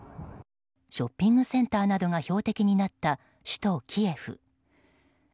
ショッピングセンターなどが標的になった首都キエフ。